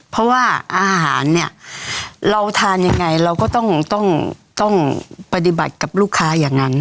เพราะว่าอาหารเนี่ยเราทานยังไงเราก็ต้องปฏิบัติกับลูกค้าอย่างนั้น